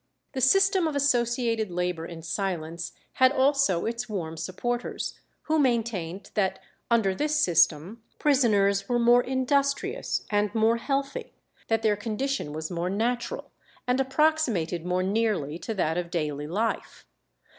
The system of associated labour in silence had also its warm supporters, who maintained that under this system prisoners were more industrious and more healthy; that their condition was more natural, and approximated more nearly to that of daily life.